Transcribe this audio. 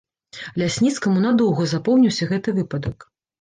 Лясніцкаму надоўга запомніўся гэты выпадак.